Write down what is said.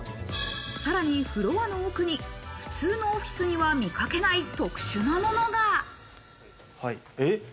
さらにフロアの奥に普通のオフィスには見かけない特殊なものが。